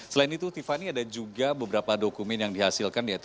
selain itu tiffany ada juga beberapa dokumen yang dihasilkan yaitu